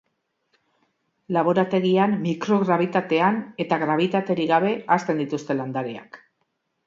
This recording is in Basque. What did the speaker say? Laborategian, mikrograbitatean eta grabitaterik gabe hazten dituzte landareak.